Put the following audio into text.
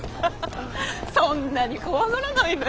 そんなに怖がらないで。